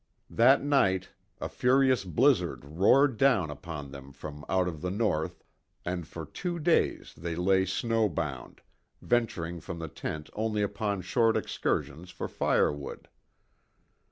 That night a furious blizzard roared down upon them from out of the North, and for two days they lay snowbound, venturing from the tent only upon short excursions for firewood.